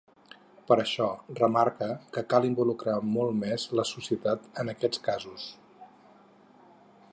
Per això remarca que cal involucrar molt més la societat en aquests casos.